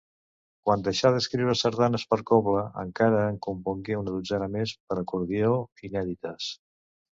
Quan deixà d'escriure sardanes per cobla, encara en compongué una dotzena més per acordió, inèdites.